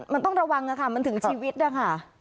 มันต้องระวังค่ะมันถึงชีวิตนะคะ